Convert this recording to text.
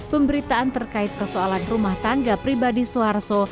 pemberitaan terkait persoalan rumah tangga pribadi suharto